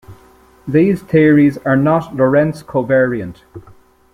These theories are not Lorentz covariant.